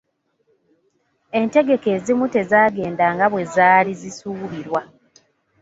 Entegeka ezimu tezaagenda nga bwe zaali zisuubirwa.